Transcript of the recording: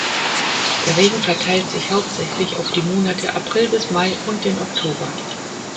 Der Regen verteilt sich hauptsächlich auf die Monate April bis Mai und den Oktober.